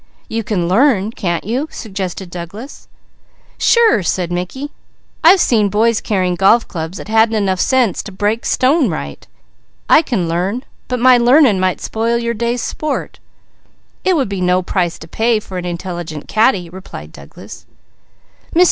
"You can learn, can't you?" suggested Douglas. "Sure!" said Mickey. "I've seen boys carrying golf clubs that hadn't enough sense to break stone right. I can learn, but my learning might spoil your day's sport." "It would be no big price to pay for an intelligent caddy," replied Douglas. "Mr.